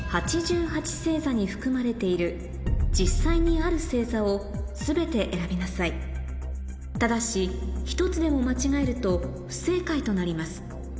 星座に含まれている実際にある星座を全て選びなさいただし１つでも間違えると不正解となります